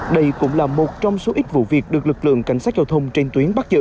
đây cũng là một trong số ít vụ việc được lực lượng cảnh sát